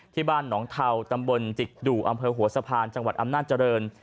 ที่บ้านหนองเทาตำบลจิกดู่อำเภอหัวสะพานจังหวัดอำนาจเจริญ